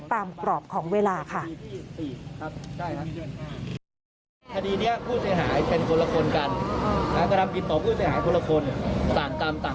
กรอบของเวลาค่ะ